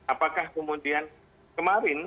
apakah kemudian kemarin